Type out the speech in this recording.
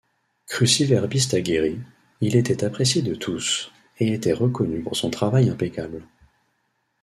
Cruciverbiste aguerri, il était apprécié de tous, et était reconnu pour son travail impeccable.